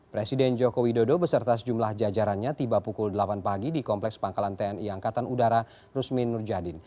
presiden joko widodo beserta sejumlah jajarannya tiba pukul delapan pagi di kompleks pangkalan tni angkatan udara rusmin nurjadin